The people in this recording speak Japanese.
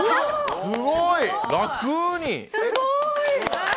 すごい！